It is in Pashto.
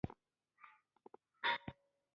په دې ورځ حمید الله قادري تیلفون وکړ.